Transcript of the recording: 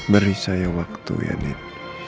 beri saya waktu ya nit